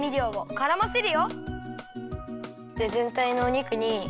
からませる。